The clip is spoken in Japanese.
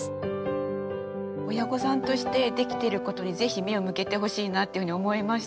親御さんとしてできてることにぜひ目を向けてほしいなっていうふうに思いました。